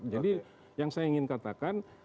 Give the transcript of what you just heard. yang saya ingin katakan